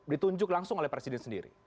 ditunjuk langsung oleh presiden sendiri